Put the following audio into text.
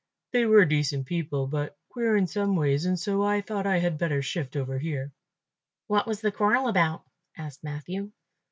They were decent people, but queer in some ways, and so I thought I had better shift over here." "What was the quarrel about?" asked Matthew.